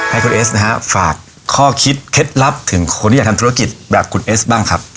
ให้คุณเอสนะฮะฝากข้อคิดเคล็ดลับถึงคนที่อยากทำธุรกิจแบบคุณเอสบ้างครับ